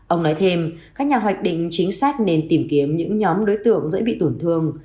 ông nói thêm các nhà hoạch định chính sách nên tìm kiếm những nhóm đối tượng dễ bị tổn thương